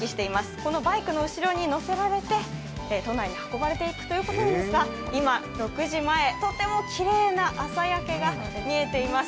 このバイクの後ろに載せられて都内に運ばれていくということですが今６時前、とてもきれいな朝焼けが見えています。